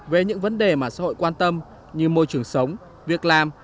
về những vấn đề mà xã hội quan tâm như môi trường sống việc làm